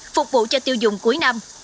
phục vụ cho tiêu dùng cuối năm